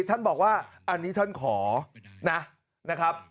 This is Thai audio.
ท่านบอกว่าอันนี้ท่านขอนะครับ